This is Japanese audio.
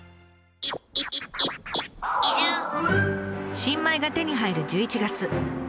新米が手に入る１１月。